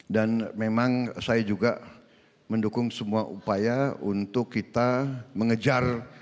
dan memang saya juga mendukung semua upaya untuk kita mengejar